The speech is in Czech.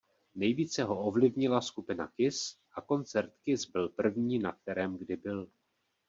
Nejvíce ho ovlivnila skupina Kiss a koncert Kiss byl první na kterém kdy byl.